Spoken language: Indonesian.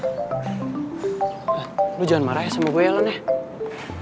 elan lo jangan marah ya sama gue ya elan ya